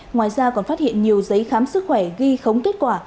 ngoài ra còn phát hiện nhiều giấy khám sức khỏe ghi khống kết quả